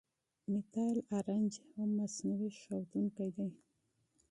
میتایل آرنج هم مصنوعي ښودونکی دی.